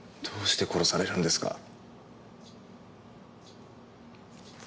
どうして殺されるんですか？